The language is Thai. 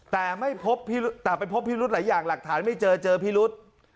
แต่ไปพบพิรุธหลายอย่างหลักฐานไม่เจอเจอพิรุธ